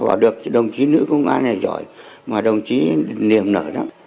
họ bảo được đồng chí nữ công an này giỏi mà đồng chí niềm nở lắm